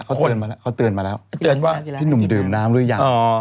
เขาเตือนมาแล้วเขาเตือนมาแล้วเตือนว่าพี่หนุ่มดื่มน้ำหรือยัง